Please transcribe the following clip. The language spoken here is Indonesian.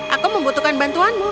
aku membutuhkan bantuanmu